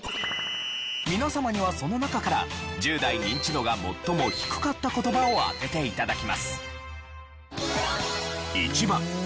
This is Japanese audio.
皆様にはその中から１０代ニンチドが最も低かった言葉を当てて頂きます。